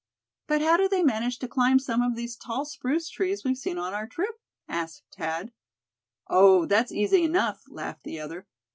"But how do they manage to climb some of these tall spruce trees we've seen on our trip?" asked Thad. "Oh! that's easy enough," laughed the other.